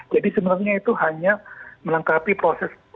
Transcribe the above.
jadi sebenarnya itu hanya melengkapi proses